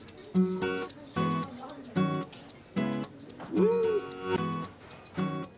うん！